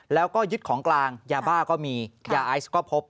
แล้วก็ยึดของกลางยาบ้าก็มียาไอซ์ก็พบ